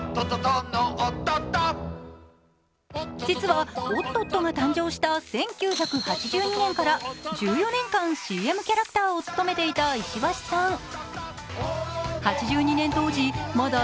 実は、おっとっとが誕生した１９８２年から１４年間、ＣＭキャラクターを務めていた石橋さん。